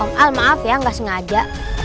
om al maaf ya gak sengaja